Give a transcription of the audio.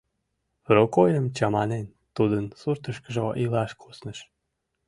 Прокойым чаманен, тудын суртышкыжо илаш кусныш.